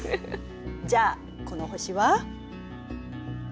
じゃあこの星は？